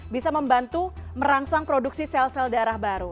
bisa membantu merangsang produksi sel sel darah baru